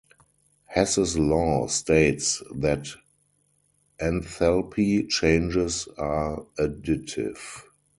Hess's law states that enthalpy changes are additive.